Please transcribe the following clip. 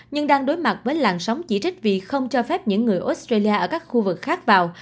nhưng đang đối mặt với làn sóng chỉ trích vì không cho phép những người australia ở các khu vực khác vào